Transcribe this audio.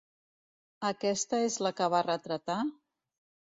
Aquesta és la que va retratar?